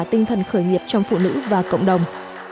tinh thần khởi nghiệp trong phụ nữ và cộng đồng